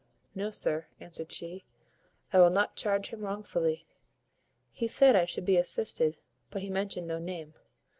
"No, sir," answered she, "I will not charge him wrongfully. He said I should be assisted, but he mentioned no name.